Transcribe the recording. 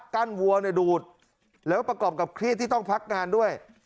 วัวดูดแล้วประกอบกับเครียดที่ต้องพักงานด้วย